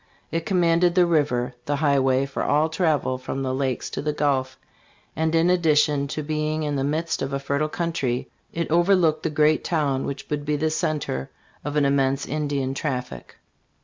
It commanded the river, the highway for all travel from the Lakes to the Gulf, and in addition to be ing in the midst of a fertile country, it overlooked the great town which would be the center of an immense Indian traffic.